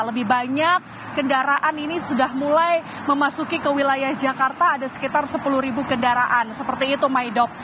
lebih banyak kendaraan ini sudah mulai memasuki ke wilayah jakarta ada sekitar sepuluh kendaraan seperti itu maido